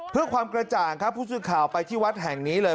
เพื่อความกระจ่างครับผู้สื่อข่าวไปที่วัดแห่งนี้เลย